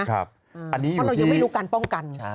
เพราะเรายังไม่รู้การป้องกัน